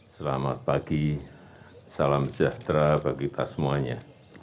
selamat pagi salam sejahtera bagi kita semuanya